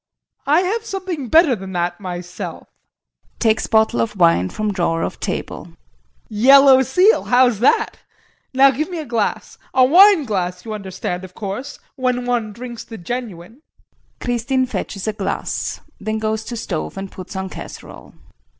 I have something better than that myself. [Takes bottle of wine from drawer of table.] Yellow seal, how's that? Now give me a glass a wine glass you understand, of course, when one drinks the genuine. KRISTIN. [Fetches a glass. Then goes to stove and puts on casserole.